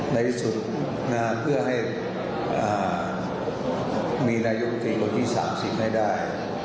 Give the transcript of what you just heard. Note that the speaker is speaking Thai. ในที่สุดเพื่อให้มีนายุมตรีคนที่๓๐ให้ได้